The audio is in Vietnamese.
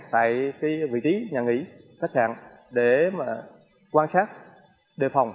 tại vị trí nhà nghỉ khách sạn để mà quan sát đề phòng